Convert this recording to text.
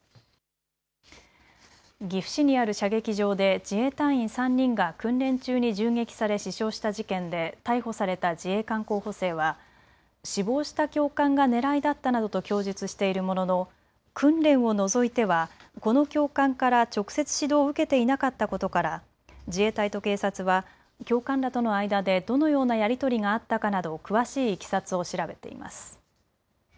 岐阜市にある射撃場で自衛隊員３人が訓練中に銃撃され死傷した事件で逮捕された自衛官候補生は死亡した教官が狙いだったなどと供述しているものの訓練を除いてはこの教官から直接指導を受けていなかったことから自衛隊と警察は教官らとの間でどのようなやり取りがあったかなど詳しいいきさつを調べています。